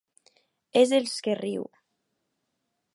És dels que riu.